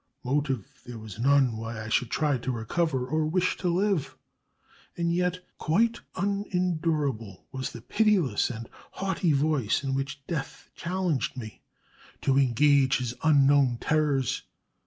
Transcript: Motive there was none why I should try to recover or wish to live; and yet quite unendurable was the pitiless and haughty voice in which Death challenged me to engage his unknown terrors.